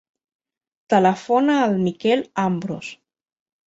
Telefona al Miquel Ambros.